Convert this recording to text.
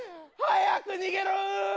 早く逃げろ。